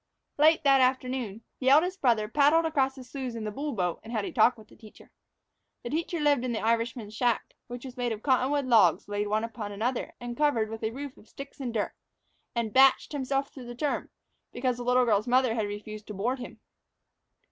LATE that afternoon, the eldest brother paddled across the sloughs in the bull boat, and had a talk with the teacher. The teacher lived in the Irishman's shack, which was made of cottonwood logs laid one upon another and covered with a roof of sticks and dirt, and "bached" by himself through the term, because the little girl's mother had refused to board him.